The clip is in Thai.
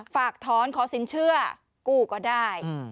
ฝากถอนขอสินเชื่อกู้ก็ได้